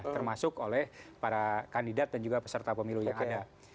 termasuk oleh para kandidat dan juga peserta pemilu yang ada